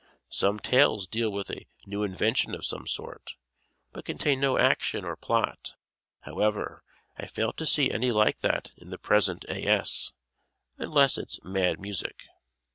Some tales deal with a new invention of some sort, but contain no action or plot. However, I fail to see any like that in the present A. S., unless it's "Mad Music."